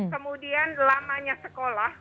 kemudian lamanya sekolah